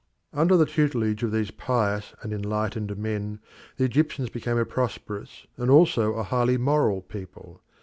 Under the tutelage of these pious and enlightened men, the Egyptians became a prosperous and also a highly moral people.